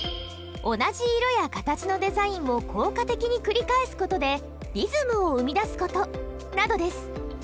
同じ色や形のデザインを効果的に繰り返す事でリズムを生み出す事などです。